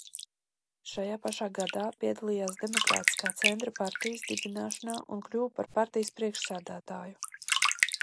Šajā pašā gadā piedalījās Demokrātiskā Centra partijas dibināšanā un kļuva par partijas priekšsēdētāju.